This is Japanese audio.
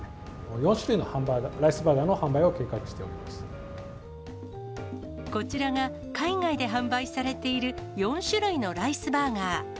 ４種類のハンバーガー、ライスバこちらが、海外で販売されている４種類のライスバーガー。